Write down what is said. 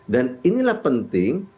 dan inilah penting